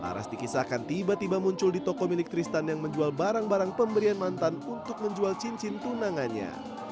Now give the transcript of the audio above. laras dikisahkan tiba tiba muncul di toko milik tristan yang menjual barang barang pemberian mantan untuk menjual cincin tunangannya